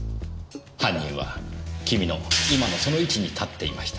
犯人は君の今のその位置に立っていました。